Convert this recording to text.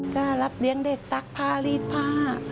ก็รับเลี้ยงเด็กซักผ้ารีดผ้า